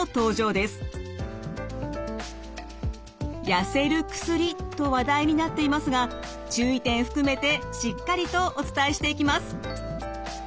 やせる薬と話題になっていますが注意点含めてしっかりとお伝えしていきます。